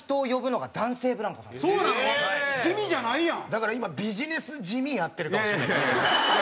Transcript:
だから今「ビジネス地味」やってるかもしれないです。